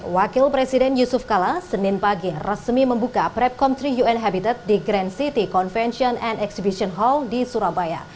wakil presiden yusuf kala senin pagi resmi membuka prepcomp tiga un habitat di grand city convention and exhibition hall di surabaya